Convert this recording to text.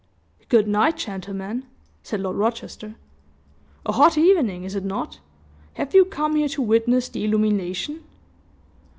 "Good night, gentlemen," said Lord Rochester; "a hot evening, is it not? Have you come here to witness the illumination?"